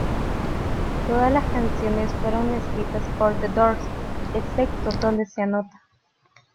Todas las canciones fueron escritas por The Doors, excepto donde se anota.